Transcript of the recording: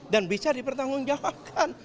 dan bisa dipertanggungjawabkan